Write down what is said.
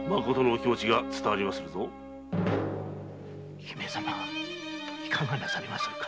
姫様いかがなされますか。